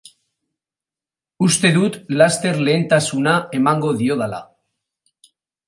Uste dut laster lehentasuna emango diodala.